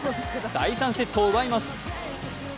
第３セットを奪います。